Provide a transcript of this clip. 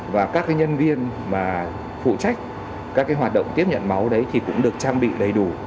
và các nhân viên mà phụ trách các hoạt động tiếp nhận máu đấy thì cũng được trang bị đầy đủ